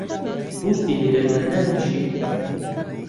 بۆچی لێرە دانانیشیت؟